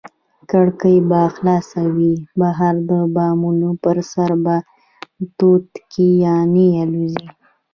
کړکۍ به خلاصې وي، بهر د بامونو پر سر به توتکیانې الوزي.